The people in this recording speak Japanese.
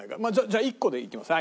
じゃあ１個でいきます。